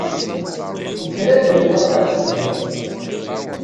Nekker ad d-nuɣal ɣer temdint.